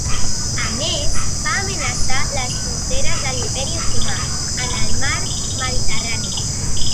A més va amenaçar les fronteres de l'Imperi Otomà en el mar Mediterrani.